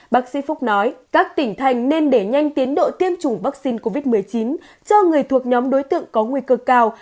bác sĩ phúc nói các tỉnh thành nên để nhanh tiến độ tiêm chủng vaccine covid một mươi chín cho người thuộc nhóm đối tượng có nguy cơ cao